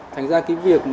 thành ra cái việc